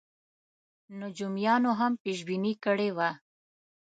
نجومیانو هم پېش بیني کړې وه.